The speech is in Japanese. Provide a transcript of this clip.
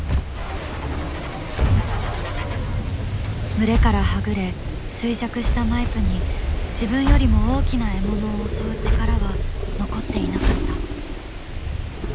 群れからはぐれ衰弱したマイプに自分よりも大きな獲物を襲う力は残っていなかった。